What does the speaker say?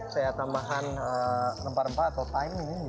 saya tambahkan rempah rempah atau thyme ini di sini